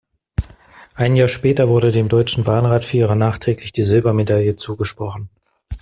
Ein Jahr später wurde dem deutschen Bahnrad-Vierer nachträglich die Silbermedaille zugesprochen.